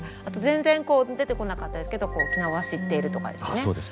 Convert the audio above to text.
あと全然出てこなかったですけど沖縄を知っているとかですね。